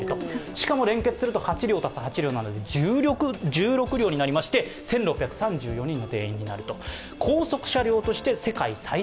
しかも連結すると８両＋８両なので１６両になりまして１６３４人の定員になると。